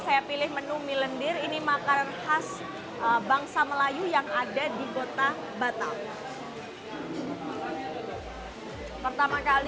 saya pilih menu milendir ini makanan khas bangsa melayu yang ada di kota batam